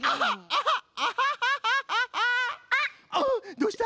どうした？